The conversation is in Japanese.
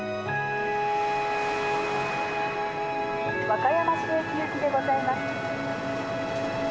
和歌山市駅行きでございます。